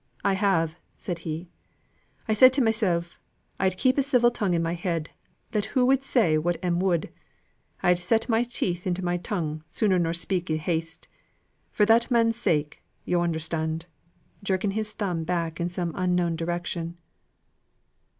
I have," said he. "I said to mysel', I'd keep a civil tongue in my head, let who would say what 'em would. I'd set my teeth into my tongue sooner nor speak i' haste. For that man's sake yo' understand," jerking his thumb back in some unknown direction.